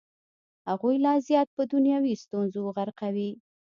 هغوی لا زیات په دنیوي ستونزو غرقوي.